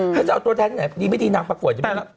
ถ้าจะเอาตัวแทนไหนดีไม่ดีนางประกวดจะไม่ดี